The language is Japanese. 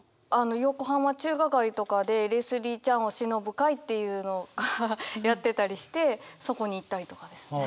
横浜中華街とかでレスリー・チャンをしのぶ会っていうのがやってたりしてそこに行ったりとかですね。